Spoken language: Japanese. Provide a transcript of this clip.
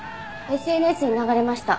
ＳＮＳに流れました。